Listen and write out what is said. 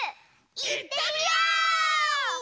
いってみよう！